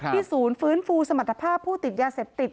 ศูนย์ฟื้นฟูสมรรถภาพผู้ติดยาเสพติด